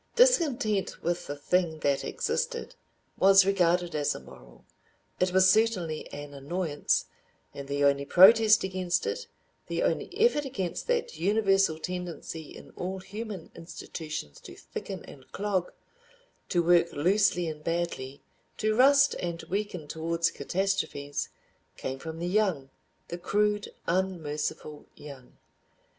Discontent with the thing that existed was regarded as immoral, it was certainly an annoyance, and the only protest against it, the only effort against that universal tendency in all human institutions to thicken and clog, to work loosely and badly, to rust and weaken towards catastrophes, came from the young—the crude unmerciful young.